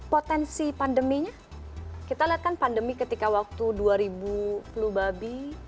potensi pandeminya kita lihat kan pandemi ketika waktu dua ribu flu babi